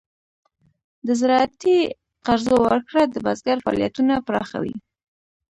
د زراعتي قرضو ورکړه د بزګر فعالیتونه پراخوي.